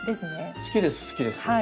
好きです好きです。